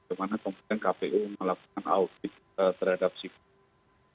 bagaimana kemudian kpu melakukan audit terhadap sipol